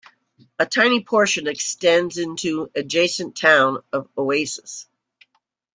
A tiny portion extends into adjacent Town of Oasis.